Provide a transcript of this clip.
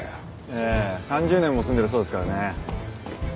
ええ３０年も住んでるそうですからね。